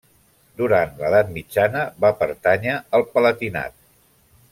Durant l'Edat Mitjana va pertànyer al Palatinat.